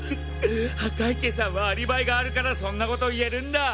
赤池さんはアリバイがあるからそんなこと言えるんだ！